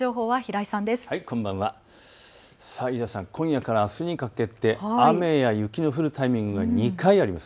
井田さん、今夜からあすにかけて雨や雪の降るタイミングが２回あります。